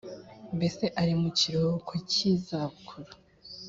mbese ari mu kiruhuko cy’iza bukuru